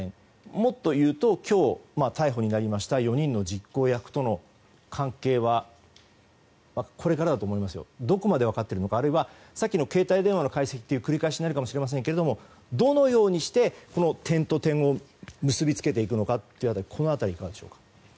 もっというと今日逮捕になりました４人の実行役との関係はどこまで分かっているのかあるいは、さっきの携帯電話の解析という繰り返しになるかもしれませんがどのようにして点と点を結び付けていくのかこの辺りいかがでしょう？